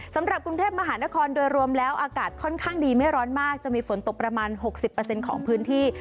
สำหรับกรุงเทพมหานครโดยรวมแล้วอากาศค่อนข้างดีไม่ร้อนมากจะมีฝนตกประมาณ๖๐ของพื้นที่